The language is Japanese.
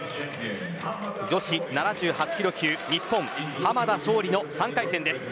女子７８キロ級、日本濱田尚里の３回戦です。